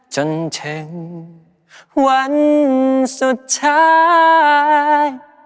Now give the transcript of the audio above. จนถึงวันสุดท้าย